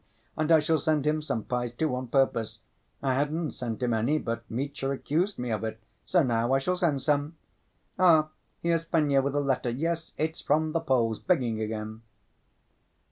And I shall send him some pies, too, on purpose. I hadn't sent him any, but Mitya accused me of it, so now I shall send some! Ah, here's Fenya with a letter! Yes, it's from the Poles—begging again!"